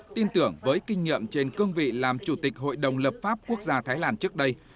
tin tưởng với kinh nghiệm trên cương vị làm chủ tịch hội đồng lập pháp quốc gia thái lan trước đây